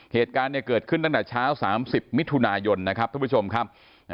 เหตุการณ์เนี่ยเกิดขึ้นตั้งแต่เช้า๓๐มิถุนายนนะครับทุกผู้ชมครับ